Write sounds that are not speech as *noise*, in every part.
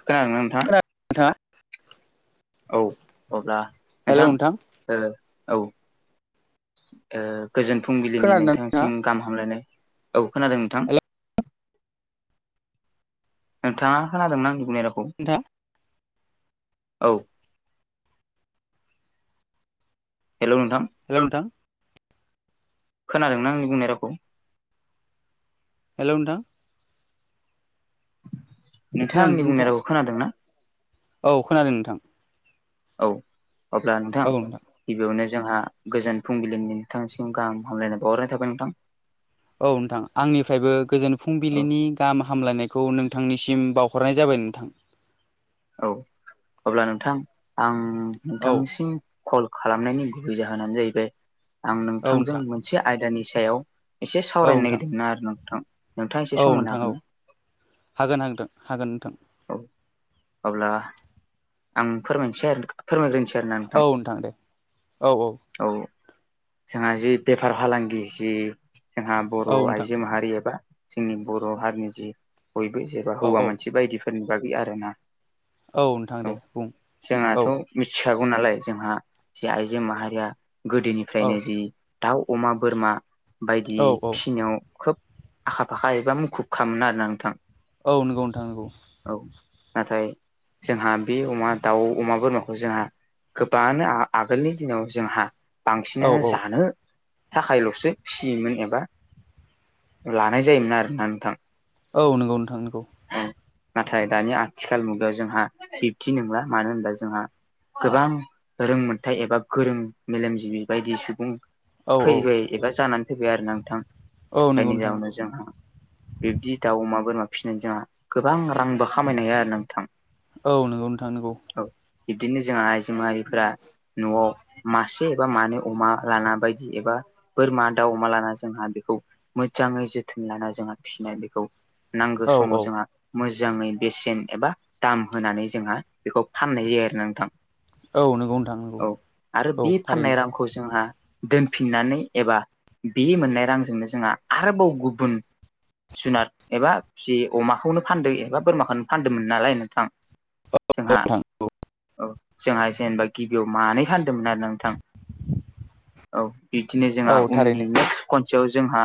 खोनादोंना नोंथां? *unintelligible* औ अब्ला नोंथां ओ औ ओ गोजोन फुंबिलिनि खोनादोंना नोंथांसिम गाहाम हामलायनाय औ खोनादों नोंथां नोंथाङा खोनादों ना आंनि बुंनाय रावखौ नोंथां औ। हेलौ नोंथां हेलौ नोंथां खोनादोंना आंनि बुंनाय रावखौ? हेलौ नोंथा नोंथाङा खोनादों आंनि बुंनाय नोंथां रावखौ खोनादोंना? औ खोनादों नोंथां। औ अब्ला नोंथां गिबियावनो जोंहा गोजोन फुंबिलिनि नोंथांसिम गाहाम हामलायनो बावहरनाय थाबाय नोंथां। औ नोंथां आंनिफ्रायबो गोजोन औ फुंबिलिनि गाहाम हामलायनायखौ नोंथांनिसिम बावहरनाय जाबाय नोंथां। औ अब्ला नोंथां आं औ नोंथांनिसिम कल खालामनायनि गुबै जाहोनानो जाहैबाय आं औ नोंथांजों नोंथां मोनसे आयदानि सायाव एसे औ सावरायनो नोंथां नागिरदों आरो नोंथां। नोंथाङा एसे औ सम होनो नोंथां हागोन औ ना हागोन हा-हागोन नोंथां। औ अब्ला आं फोरमायनोसै आरो फोरमायग्रोसै आरोना औ नोंथां। दे औ जोंहा जि बेफार फालांगि जि जोंहा बर' औ नोंथां आइजो माहारि एबा जोंनि बर' हारिनि जि बयबो जेबा औ हौवा औ मोनसे बायदिफोरनि बागै आरोना। औ नोंथां दे बुं जोंहाथ' औ। मिथिखागौ नालाय जोंहा जि आइजो माहारिया औ गोदोनिफ्रायनो जि दाउ, अमा, बोरमा बायदि औ औ फिसिनायाव खोब आखा फाखा एबा मुखुबखामोन आरोना नोंथां। औ नंगौ नोंथां नंगौ। औ नाथाय जोंहा बे अमा, दाउ, अमा, बोरमाखौ जोंहा गोबाङानो आ-आगोलनि दिनाव जोंहा औ बांसिनानो औ जानो थाखायल'सो फिसियोमोन एबा लानाय जायोमोन आरोना नोंथां। औ नोंगौ नोंथां नोंगौ। औ नाथाय दानि आथिखाल मुगायाव जोंहा बिब्दि नंला मानो होनबा जोंहा गोबां रोंमोनथाय एबा गोरों मेलेमजिबि बायदि सुबुं औ औ फैबाय एबा जानानै फैबाय आरो ना नोंथां। औ नंगौ जायनि नोंथां जाहोननो नंगौ जोंहा बिब्दि दाउ अमा बोरमा फिसिनाय जोंहा गोबां रांबो खामायनो हाया आरो नोंथां। औ नोंगौ नोंथां नोंगौ। औ बिब्दिनो जोंहा आइजो माहारिफोरा न'आव मा से एबा मानो अमा लाना बायदि एबा बोरमा, दाउ, अमा लाना जोंहा बेखौ मोजाङै जोथोन लाना जोंहा फिनाय बेखौ नांगो औ समाव औ जोंहा मोजाङै बेसेन एबा दाम होनानै जोंहा बेखौ फाननाय जायो आरोना नोंथां। औ नंगौ नोंथां नंगौ औ आरो औ बे फाननाय थारैनो रांखौ जोंहा दोनफिननानै एबा बे मोननाय रांजोंनो जोंहा आरोबाव गुबुन जुनार एबा फिसि अमाखौनो फानदो एबा बोरमाखौनो फानदोंमोन नालाय नोंथां जोंहा औ जोंहा जेनेबा गिबियाव मानै फान्दोंमोन आरो नोंथां औ बिदिनो जोंहा औ उननि थारैनो नेक्स खनसेयाव जोंहा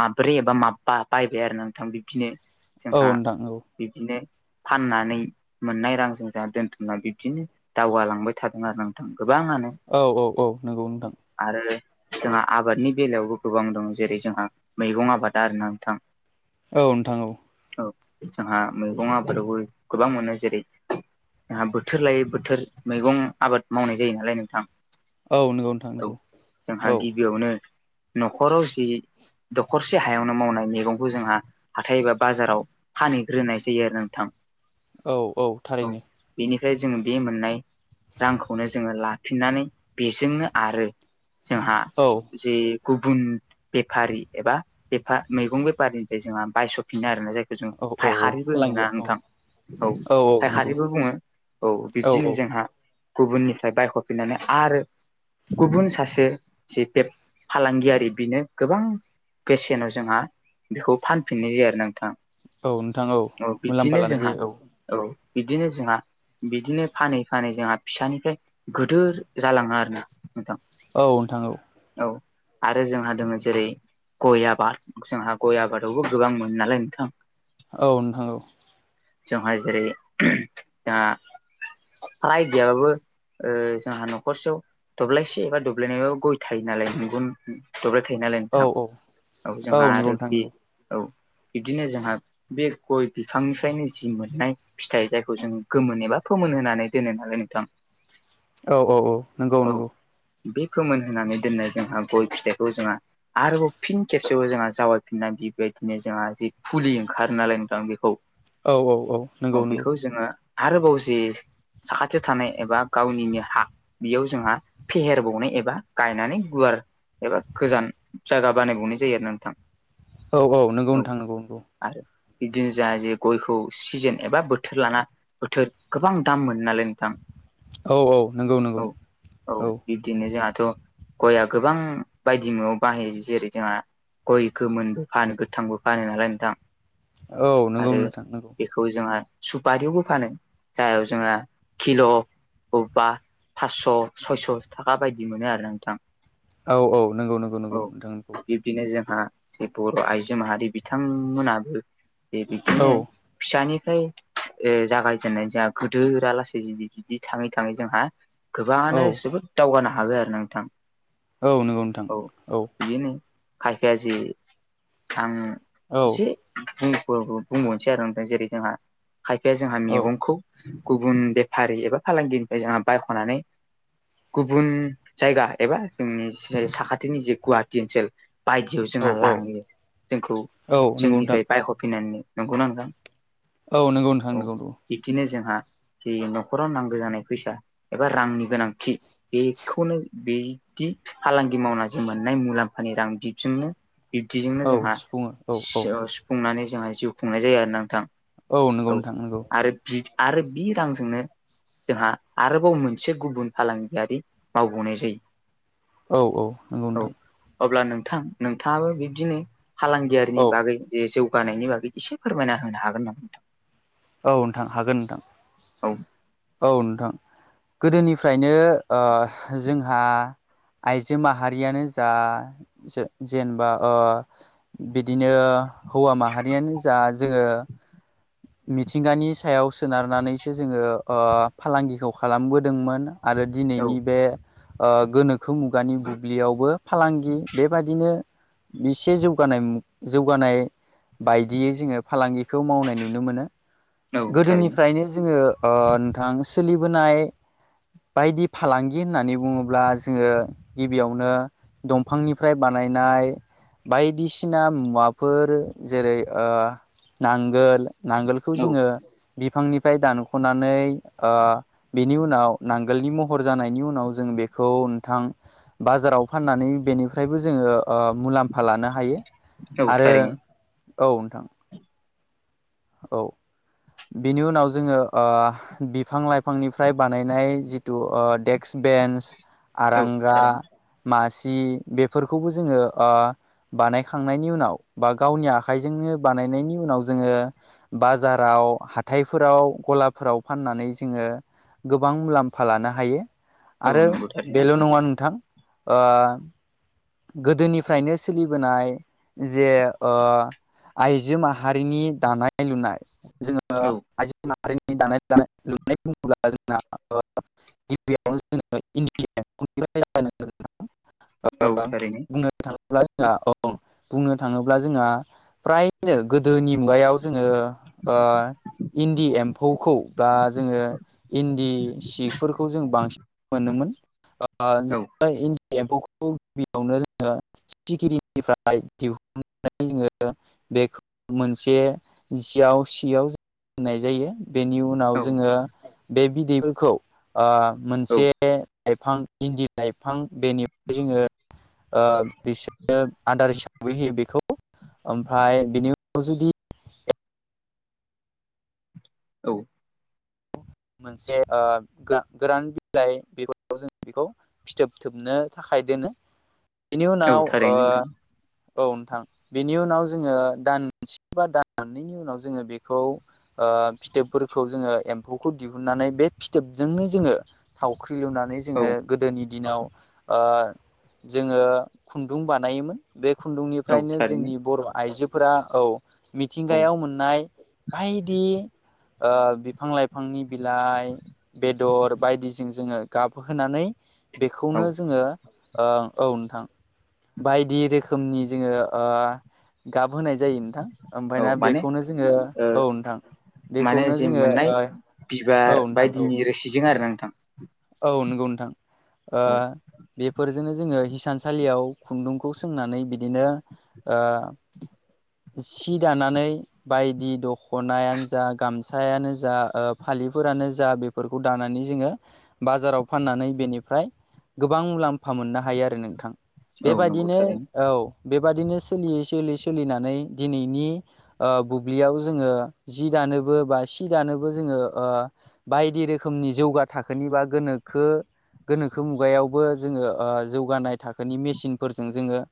माब्रै एबा माबा बायबाय आरो नोंथां बिब्दिनो औ जोंहा नोंथां औ बिब्दिनो फाननानै मोननाय रांजों जोंहा दोनथुमना बिब्दिनो दावगालांबाय थादों आरो नोंथां गोबाङानो। औ औ औ नोंगौ नोंथां। आरो जोंहा आबादनि बेलायावबो गोबां दङ। जेरै जोंहा मैगं आबाद आरोना नोंथां। औ नोंथां औ। औ जोंहा मैगं आबादावबो गोबां मोनो जेरै जोंहा बोथोर लायै बोथोर मैगं आबाद मावनाय जायो नालाय नोंथां। औ नंगौ नोंथां औ नंगौ जोंहा औ गिबियावनो न'खराव जि दखरसे हायावनो मावनाय मैगंखौ जोंहा हाथाय एबा बाजाराव फानहैग्रोनाय जायो आरो नोंथां। औ औ थारैनो बेनिफ्राय जोङो बे मोननाय रांखौनो जोङो ला फिननानै बेजोंनो आरो जोंहा औ जे गुबुन बेफारि एबा बेफा-मैगं बेफारिनिफ्राय जोंहा बायस'फिनो आरोना जायखौ जों औ औ फाइखारिबो होनोना फालांगिया औ नोंथां औ फायखारिबो बुङो औ बिब्दिनो जोंहा गुबुननिफ्राय बायखफिननानै आरो गुबुन सासे जि बे फालांगियारि बिनो गोबां बेसेनाव जोंहा बेखौ फानफिननाय जायो आरो नोंथां। औ नोंथां औ बिब्दिनो मुलाम्फा लानाय जोंहा जायो औ औ बिब्दिनो जोंहा बिदिनो फानै फानै जोंहा फिसानिफ्राय गोदोर जालाङो आरो नोंथां। औ नोंथां औ। औ आरो जोंहा दोङो जेरै गय आबाद जोंहा गय आबादावबो गोबां मोनो नालाय नोंथां औ नोंथां औ जोंहा जेरै जोंहा फ्राइ गैयाबाबो जोंहा न'खरसेयाव दब्लायसे एबा दब्लायनैबाबो गय थायो नालाय नोंगुन दब्राय थायो नालाय औ नोंथां औ जोंहा नंगौ आरो नोंथां बि नंगौ औ बिब्दिनो जोंहा बे गय बिफांनिफ्रायनो जि मोननाय फिथाइ जायखौ जों गोमोन एबा फोमोन होनानै दोनो नालाय नोंथां। औ औ औ नंगौ औ नंगौ बे फोमोन होनानै दोननाय जोंहा गय फिथाइखौ जोंहा आरोबाव फिन खेबसेबो जोंहा जावायफिननानै बेबायदिनो जोंहा जि फुलियो ओंखारो नालाय नोंथां बेखौ औ औ औ नंगौ नंगौ बेखौ जोङो आरोबाव जे साखाथियाव थानाय एबा गावनिनो हा बेयाव जोंहा फेहेरबावनाय एबा गायनानै गुवार एबा गोजान जायगा बानायबावनाय जायो आरो नोंथां। औ औ नोंगौ नोंथां नंगौ नंगौ आरो बिदिनो जोहा जे गयखौ सिजोन एबा बोथोर लाना बोथोर गोबां दाम मोनो नालाय नोंथां औ औ नंगौ नंगौ औ औ बि बिदिनो जोंहाथ' गयआ गोबां बायदि मुयाव बाहायो जेरै जोंहा गय गोमोनबो फानो गोथांबो फानो नालाय नोंथां औ नोंगौ नोंथां नोंगौ खौ जोंहा सुपारियावबो फानो जाययाव जोंहा किल' अबबा पास्स' सयस' थाखा बायदि मोनो आरो नोंथां? औ औ नंगौ नंगौ नगौ नोंथां नोंगौ। बिदिनो जोंहा जे बर' आइजो माहारि बिथांमोनाबो दे औ बिब्दिनो फिसानिफ्राय ओ जागायजेननाय जोंहा गोदोरा लासै जुदि बिदि थाङै थाङै जोंहा गोबाङानो औ जोबोद दावगानो हाबाय आरो नोंथां। औ नंगौ नोंथां औ बेनो खायफाया जि आं औ एसे बुं औ औ बुंबावनोसै आरो नोंथां जेरै जोंहा खायफाया जोंहा औ मैगंखौ गुबुन बेफारि एबा फालांगिनिफ्राय जोंहा बायख'नानै गुबुन जायगा एबा जोंनि जि साखाथिनि जे गुवाहाटि ओनसोल बायदियाव औ जोंहा औ लाङो जोंखौ औ नंगौ नोंथां जोंनिफ्राय बायहफिनानै नंगौ ना नोंथां? औ नंगौ नोंथां औ नंगौ। बिब्दिनो जोंहा जे न'खराव नांगौ जानाय फैसा एबा रांनि गोनांथि बेखौनो बिदि फालांगि मावनानै जों मोननाय मुलाम्फानि रां बिदिनो बिब्दिजोंनो औ जोंहा सुफुङो औ औ सि अ खुंनानै जोंहा जिउ खुंनाय जायो आरो नोंथां नंगौ औ नोंथां नंगौ आरो दि आरो बि रांजोंनो जोंहा आरोबाव मोनसे गुबुन फालांगियारि मावबावनाय जायो। औ औ नंगौ औ नोंथां। अब्ला नोंथां नोंथाङाबो बिब्दिनो औ फालांगियारिनि बागै जे जौगानायनि बागै एसे फोरमायना होनो हागोन नामा नोंथां? औ नोंथां हागोन नोंथां। औ औ नोंथां गोदोनिफ्रायनो ओ जोंहा आइजो माहारियानो जा जो जेनेबा ओ बिदिनो हौवा माहारियानो जा जोङो मिथिंगानि सायाव सोनारनानैसो जोङो ओ फालांगिखौ खालामबोदोंमोन आरो दिनैनि औ बे ओ गोनोखो मुगानि बुब्लियावबो फालांगि बेबादिनो एसे जौगानाय मु जौगानाय। बायदियै जोङो फालांगिखौ मावनाय नुनो मोनो औ थारैनो गोदोनिफ्रायनो जोङो ओ नोंथां सोलिबोनाय बायदि फालांगि होननानै बुङोब्ला जोङो गिबियावनो दंफांनिफ्राय बानायनाय बायदिसिना मुवाफोर जेरै ओ नांगोल नांगोल खौ औ जोङो बिफांनिफ्राय दानख'नानै ओ बेनि उनाव नांगोलनि महर जानायनि उनाव जों बेखौ नोंथां बाजाराव फाननानै बेनिफ्रायबो जोङो ओ मुलाम्फा लानो हायो औ आरो थारैनो औ नोंथां औ बिनि उनाव जोङो ओ बिफां लाइफांनिफ्राय बानायनाय जिथु ओ डेक्स बेन्स औ आरांगा थारैनो मासि बेफोरखौबो जोङो ओ बानायखांनायनि उनाव बा गावनि आखाइजोंनो बानायनायनि उनाव जोङो बाजाराव हाथायफोराव गलाफोराव फाननानै जोङो गोबां मुलाम्फा लानो हायो औ आरो नंगौ थारैनो बेल' नङा नोंथां ओ गोदोनिफ्रायनो सोलिबोनाय जे ओ आइजो माहारिनि दानाय लुनाय जोङो औ आइजो माहारिनि दानाय दानाय लुनाय बुङोब्ला जोंना ओ गिबियावनो जोङो *unintelligible* औ ओ थारैनो बुंनो थाङोब्ला जोंहा औ बुंनो थाङोब्ला जोंहा फ्रायनो गोदोनि मुगायाव जोङो ओ इन्दि एम्फौखौ बा जोङो इन्दि सिफोरखौ जों बांसिन मोनोमोन औ जों इन्दि एम्फौखौ गिबियावनो जोङो सिखिरिनिफ्राय दिहुननानै जोङो बेखौ मोनसे जियाव सियाव होननाय जायो। बेनि उनाव औ जोङो बे बिदैफोरखौ ओ औ मोनसे लाइफां इन्दि लाइफां बेनिफ्राय जोङो बिसोरो आदार हिसाबै होयो बेखौ ओमफ्राय बेनि उनाव जुदि औ मोनसे ओ गो-गोरान बिलाइ बेगराव जों बेखौ फिथोब थोबनो थाखाय दोनो बेनि औ उनाव ओ थारैनो नोंथां औ नोंथां बेनि उनाव जोङो दानसे बा दाननैनि उनाव जोङो बेखौ फिथोबफोरखौ जोङो एम्फौ खौ दिहुननानै बे फिथोबजोंनो जोङो थावख्रि लुनानै औ जोङो गोदोनि दिनाव ओ जोङो खुन्दुं बानायोमोन। बे औ खुन्दुंनिफ्रायनो थारैनो जोंनि बर' आइजोफोरा औ औ मिथिंगायाव मोन नाय बाइदि ओ बिफां लाइ फांनि बिलाइ बेदर बायदिजों जोङो गाबहोनानै औ बेखौनो जोङो ओ औ नोंथां बायदि रोखोमनि जोङो ओ गाब होनाय जायो नोंथां। औ ओमफ्राय ना माने बेखौनो जोङो ओ औ नोंथां माने बेखौनो जे जोङो मोननाय ओ औ बिबार नोंथां औ बायदिनि रोसिजों आरोना नोंथां औ नंगौ नोंथां औ बेफोरजोंनो जोङो हिसानसालियाव खुन्दुंखौ सोंनानै बिदिनो ओ सि दानानै बायदि दख'नायानो जा गामसायानो जा ओ फालिफोरानो जा बे फोरखौ दानानै जोङो बाजाराव फाननानै बेनिफ्राय गोबां मुलाम्फा मोननो हायो आरो नोंथां। औ नंगौ बेबायदिनो थारैनो औ बेबायाददिनो सोलियै सोलियै सोलिनानै दिनैनि ओ बुब्लियाव जोङो जि दानोबो बा सि दानोबो जोङो ओ बायदि रोखोमनि जौगा थाखोनि बा गोनोखो गोनोखो मुगायावबो जोङो ओ जौगानाय थाखोनि मेसिनफोरजों जोङो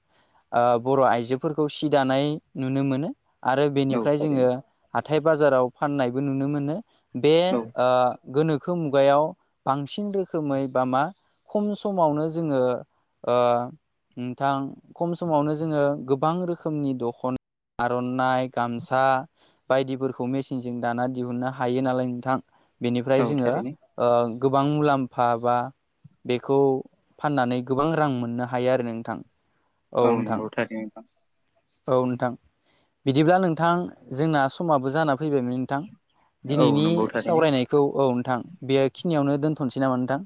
ओ बर' आइजोफोरखौ सि दानाय नुनो मोनो। आरो औ बेनिफ्राय थारैनो जोङो हाथाय बाजाराव फाननायबो नुनो मोनो बे औ ओ गोनोखो मुगायाव बांसिन रोखोमै बा मा खम समावनो जोङो ओ नोंथां खम समावनो जोङो गोबां रोखोमनि दख'ना आर'नाइ, गामसा बायदिफोरखौ मेसिनजों दाना दिहुननो हायो नालाय नोंथां औ बेनिफ्राय जोङो थारैनो ओ गोबां मुलाम्फा बा बेखौ फाननानै गोबां रां मोननो हायो आरो नोंथां। औ नोंथां नंगौ थारैनो नोंथां औ नोंथां बिदिब्ला नोंथां जोंना समाबो जाना फैबायमोन नोंथां। औ दिनैनि नंगौ थारैनो सावरायनायखौ औ नोंथां बेयो खिनियावनो दोनथ'नोसै नामा नोंथां?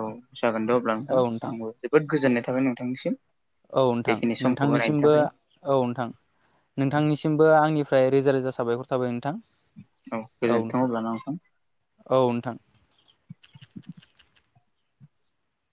औ जागोन दे अब्ला नोंथां आंबो जोबोद गोजोननाय थाबाय नोंथांनिसिम। औ नोंथां बेखिनि समखौ होनायनि नोंथांनिसिमबो थाखाय औ नोंथां नोंथांनिसिमबो आंनिफ्राय रोजा रोजा साबायखर जाबाय नोंथां औ गोजोन्थों नोंथां अब्ला ना औ नोंथां